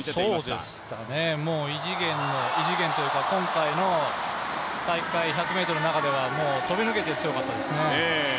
そうでしたね、異次元というか今回の大会、１００ｍの中では飛び抜けて強かったですね。